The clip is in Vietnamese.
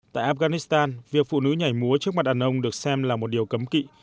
tại afghanistan việc phụ nữ nhảy múa trước mặt đàn ông được xem là một điều cấm kỵ